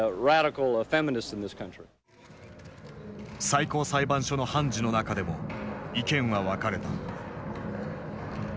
最高裁判所の判事の中でも意見は分かれた。